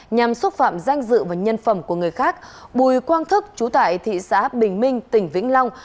nhằm xúc phạm danh dự và nhân phẩm của người khác bùi quang thức chú tại thị xã bình minh tỉnh vĩnh long